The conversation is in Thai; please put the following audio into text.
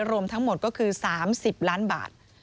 รวมทั้งหมดก็คือ๓๐ล้านบาท